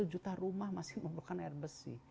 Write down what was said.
tiga puluh satu juta rumah masih memakan air besi